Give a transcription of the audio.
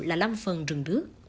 là năm phần rừng đứt